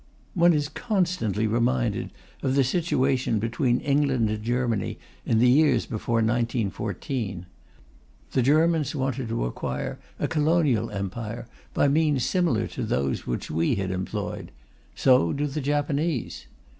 One is constantly reminded of the situation between England and Germany in the years before 1914. The Germans wanted to acquire a colonial empire by means similar to those which we had employed; so do the Japanese.